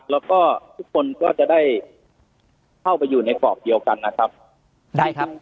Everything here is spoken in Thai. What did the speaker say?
แล้วก็ทุกคนก็จะได้เข้าไปอยู่ในกรอบเดียวกันนะครับได้ครับ